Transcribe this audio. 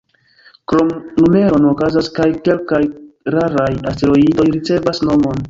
Krom numeron, okazas, ke kelkaj raraj asteroidoj ricevas nomon.